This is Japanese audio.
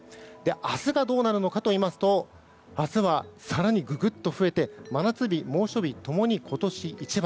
明日はどうなるかといいますと明日は、更にググっと増えて真夏日、猛暑日共に今年一番。